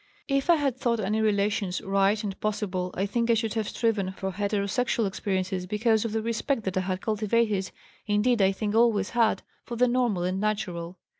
If I had thought any relations right and possible I think I should have striven for heterosexual experiences because of the respect that I had cultivated, indeed I think always had, for the normal and natural.